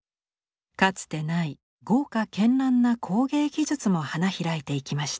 かつてない豪華絢爛な工芸技術も花開いていきました。